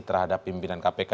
terhadap pimpinan kpk